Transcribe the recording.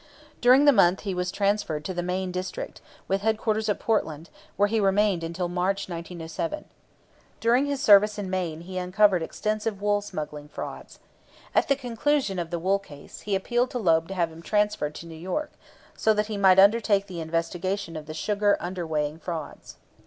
During the month he was transferred to the Maine District, with headquarters at Portland, where he remained until March, 1907. During his service in Maine he uncovered extensive wool smuggling frauds. At the conclusion of the wool case, he appealed to Loeb to have him transferred to New York, so that he might undertake the investigation of the sugar underweighing frauds.